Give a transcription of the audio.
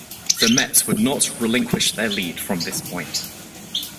The Mets would not relinquish their lead from this point.